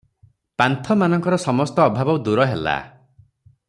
ପାନ୍ଥମାନଙ୍କର ସମସ୍ତ ଅଭାବ ଦୂର ହେଲା ।